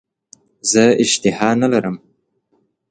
زه اشتها نه لرم .